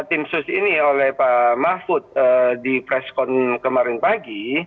tim sus ini oleh pak mahfud di preskon kemarin pagi